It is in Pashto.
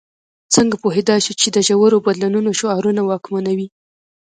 څنګه پوهېدای شو چې د ژورو بدلونونو شعارونه واکمنوي.